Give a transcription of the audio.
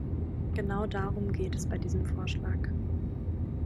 Genau darum geht es bei diesem Vorschlag.